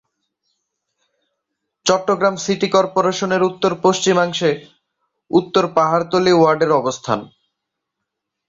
Chittagong city কর্পোরেশনের উত্তর-পশ্চিমাংশে উত্তর পাহাড়তলী ওয়ার্ডের অবস্থান।